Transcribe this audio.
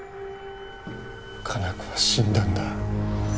加奈子は死んだんだ。